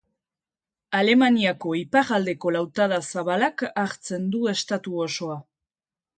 Alemaniako iparraldeko lautada zabalak hartzen du estatu osoa.